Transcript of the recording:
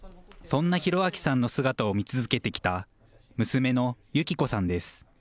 そんな弘明さんの姿を見続けてきた娘の由紀子さんです。